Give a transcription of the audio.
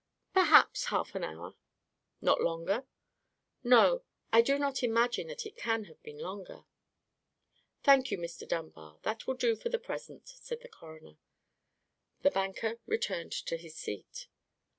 "Perhaps half an hour." "Not longer?" "No; I do not imagine that it can have been longer." "Thank you, Mr. Dunbar; that will do for the present," said the coroner. The banker returned to his seat.